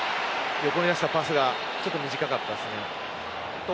横に出したパスがちょっと短かったですね。